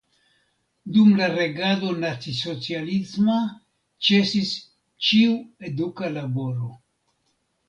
Dum la regado nacisocialisma ĉesis ĉiu eduka laboro.